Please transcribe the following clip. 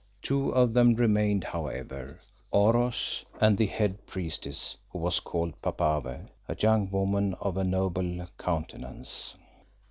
Two of them remained however, Oros and the head priestess who was called Papave, a young woman of a noble countenance.